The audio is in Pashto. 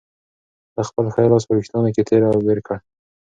ده خپل ښی لاس په وېښتانو کې تېر او بېر کړ.